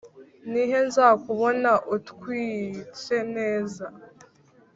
ni he nzakubona utwitse neza